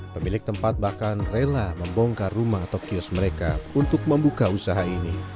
pemilik tempat bahkan rela membongkar rumah atau kios mereka untuk membuka usaha ini